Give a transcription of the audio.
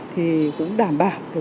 thì cũng đảm bảo